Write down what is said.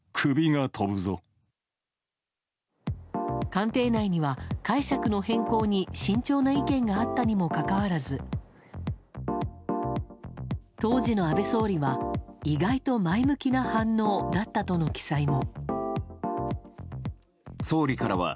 官邸内には解釈の変更に慎重な意見があったにもかかわらず当時の安倍総理は、意外と前向きな反応だったとの記載も。